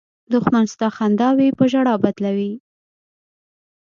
دښمن ستا خنداوې په ژړا بدلوي